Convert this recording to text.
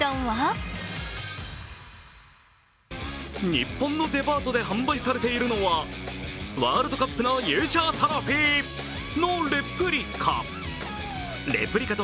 日本のデパートで販売されているのはワールドカップの優勝トロフィーのレプリカ。